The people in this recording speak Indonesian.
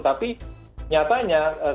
tapi nyatanya kinerja ekspor ini